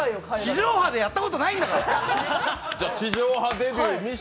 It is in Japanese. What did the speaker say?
地上波でやったことないんだから！